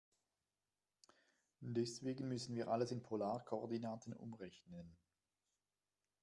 Deswegen müssen wir alles in Polarkoordinaten umrechnen.